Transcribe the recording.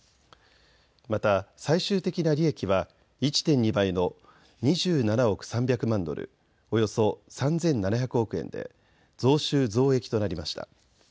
また最終的な利益は１．２倍の２７億３００万ドル、およそ３７００億円で増収増益となりました。